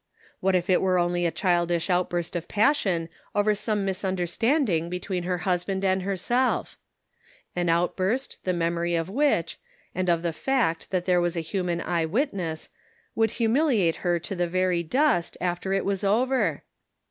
What if it were only a childish outburst of passion over some misunderstanding between her husband and herself ? An outburst, . the memory of which, and of the fact that there was a human eye witness, would humiliate An Open Door. 295 her to the very dust, after it was over?